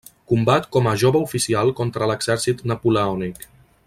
Combat com a jove oficial contra l'exèrcit napoleònic.